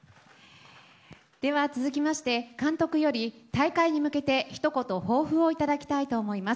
続いて、監督より大会に向けてひと言、抱負をいただきたいと思います。